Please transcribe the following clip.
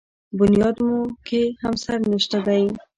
بنیاد مو کې همسر نشته دی.